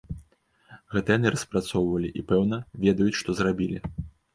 Гэта яны распрацоўвалі, і пэўна, ведаюць, што зрабілі.